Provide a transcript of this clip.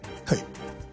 はい。